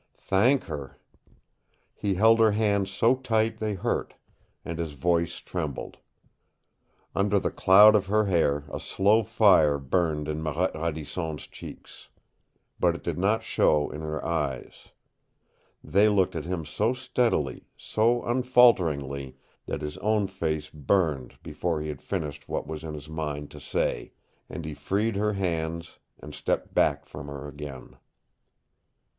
Thank her! He held her hands so tight they hurt, and his voice trembled. Under the cloud of her hair a slow fire burned in Marette Radisson's cheeks. But it did not show in her eyes. They looked at him so steadily, so unfalteringly, that his own face burned before he had finished what was in his mind to say, and he freed her hands and stepped back from her again.